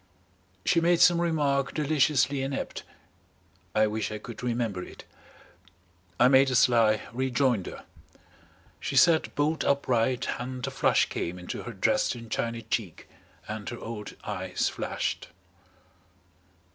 She made some remark deliciously inept I wish I could remember it. I made a sly rejoinder. She sat bolt upright and a flush came into her Dresden china cheek and her old eyes flashed.